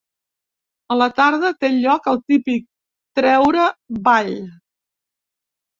A la tarda té lloc el típic Treure Ball.